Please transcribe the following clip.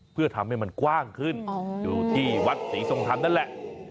เพื่อทำให้มันกว้างขึ้นอยู่ที่วัดศรีทรงธรรมนั่นแหละ